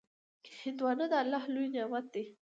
هندوانه د الله لوی نعمت دی.